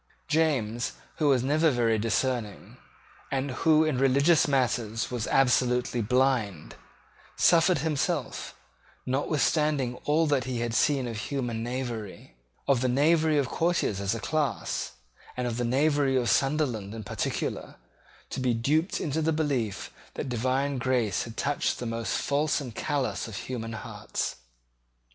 James, who was never very discerning, and who in religious matters was absolutely blind, suffered himself, notwithstanding all that he had seen of human knavery, of the knavery of courtiers as a class, and of the knavery of Sunderland in particular, to be duped into the belief that divine grace had touched the most false and callous of human hearts.